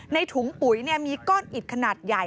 ถุงปุ๋ยมีก้อนอิดขนาดใหญ่